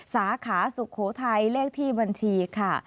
สาขาสุโขไทยเลขที่บัญชี๕๓๖๒๒๙๐๗๒๓